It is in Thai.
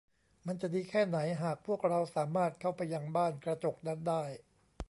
มันจะดีแค่ไหนหากพวกเราสามารถเข้าไปยังบ้านกระจก นั้นได้ !